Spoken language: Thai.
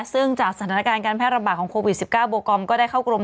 ซึ่งจากสถานการณ์การแพร่ระบาดของโควิด๑๙โบกอมก็ได้เข้ากรม